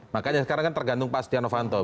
makanya sekarang kan tergantung pastian novanto